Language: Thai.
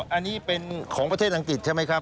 อันนี้เป็นของประเทศอังกฤษใช่ไหมครับ